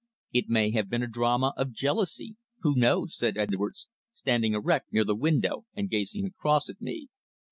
"It may have been a drama of jealousy who knows?" said Edwards, standing erect near the window and gazing across at me.